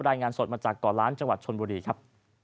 รายงานสดมาจากก่อล้านจังหวัดชนบุรีครับ